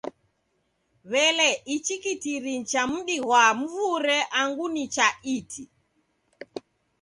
W'ele ichi kitiri ni cha mdi ghwa mvure angu ni cha iti?